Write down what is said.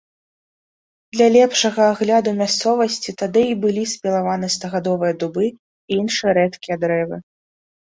Для лепшага агляду мясцовасці тады і былі спілаваны стагадовыя дубы і іншыя рэдкія дрэвы.